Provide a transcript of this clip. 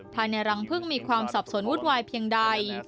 ภายในรังพึ่งมีความสับสนวุ่นวายเพียงใด